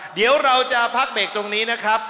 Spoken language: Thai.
วันนี้เราจะพักเบกตรงนี้นะครับ